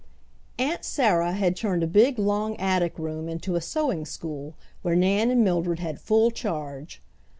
Aunt Sarah had turned a big long attic room into a sewing school where Nan and Mildred had full charge.